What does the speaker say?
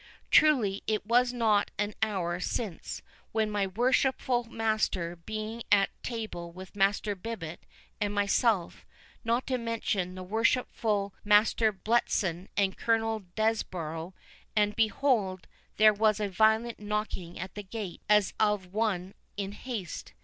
Truly, it was not an hour since, when my worshipful master being at table with Master Bibbet and myself, not to mention the worshipful Master Bletson and Colonel Desborough, and behold there was a violent knocking at the gate, as of one in haste.